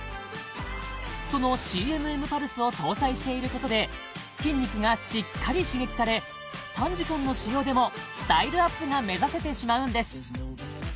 そのＣＭＭパルスを搭載していることで筋肉がしっかり刺激され短時間の使用でもスタイルアップが目指せてしまうんです